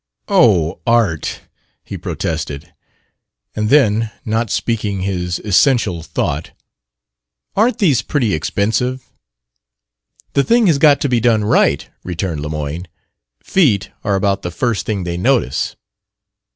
"Oh, Art!" he protested. And then, not speaking his essential thought, "Aren't these pretty expensive?" "The thing has got to be done right," returned Lemoyne. "Feet are about the first thing they notice."